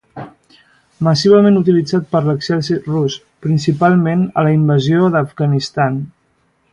Massivament utilitzat per l'exèrcit rus, principalment a la Invasió d'Afganistan.